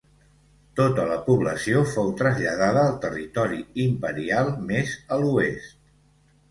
Tota la població fou traslladada a territori imperial mes a l'oest.